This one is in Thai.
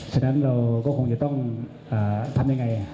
ฉะนั้นเราก็คงจะต้องทำยังไง